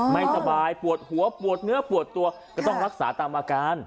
ไม่สบายปวดหัวปวดเนื้อปวดตัวก็ต้องรักษาตามอาการ